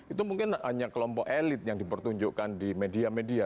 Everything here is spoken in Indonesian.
itu mungkin hanya kelompok elit yang dipertunjukkan di media media